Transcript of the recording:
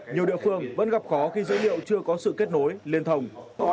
nhiều địa phương vẫn gặp khó khi dữ liệu chưa có sự kết nối liên thông